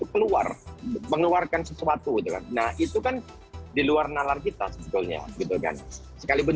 keluar mengeluarkan sesuatu itu kan nah itu kan diluar nalar kita sebetulnya gitu kan sekalipun